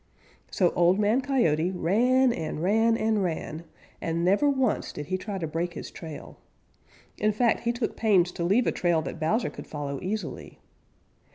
So Old Man Coyote ran and ran and ran, and never once did he try to break his trail. In fact, he took pains to leave a trail that Bowser could follow easily.